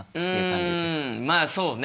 うんまあそうね。